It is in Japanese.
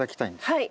はい。